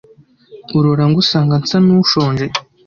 Urora ngusanga nsa nushonje